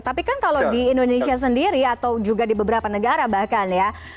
tapi kan kalau di indonesia sendiri atau juga di beberapa negara bahkan ya